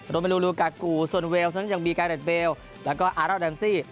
โรมเมลูลูกากูส่วนเวลส่วนนี้ยังมีกาแดดเบลแล้วก็อารอดรัมซี่